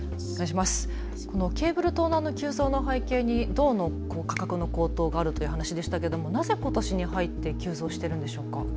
このケーブル盗難の急増の背景に銅の価格の高騰があるということでしたが、なぜことしに入って急増しているんでしょうか。